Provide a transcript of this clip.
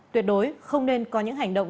tuyệt đối không nên có những hành động